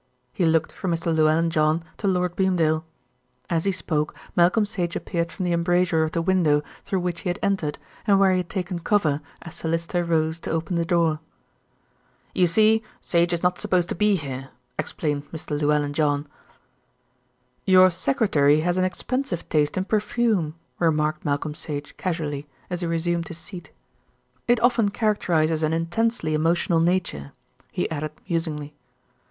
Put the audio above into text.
He looked from Mr. Llewellyn John to Lord Beamdale. As he spoke Malcolm Sage appeared from the embrasure of the window through which he had entered, and where he had taken cover as Sir Lyster rose to open the door. "You see, Sage is not supposed to be here," explained Mr. Llewellyn John. "Your secretary has an expensive taste in perfume," remarked Malcolm Sage casually, as he resumed his seat. "It often characterises an intensely emotional nature," he added musingly.